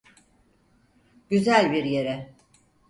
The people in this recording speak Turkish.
Güzel bir yere.